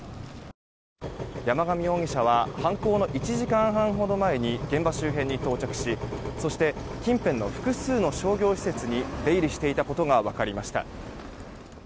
山上容疑者は犯行の１時間ほど前に現場周辺に到着しそして近辺の複数の商業施設に出入りしていたことが分かりました。